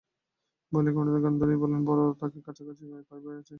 বলিয়া কালাংড়ায় গান ধরিয়া দিলেন– বড়ো থাকি কাছাকাছি তাই ভয়ে ভয়ে আছি।